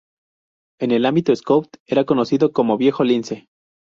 En el ámbito scout, era conocido como Viejo Lince.